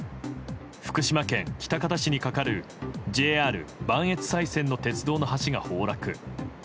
福島県喜多方市にかかるＪＲ磐越西線の鉄道の橋が崩落。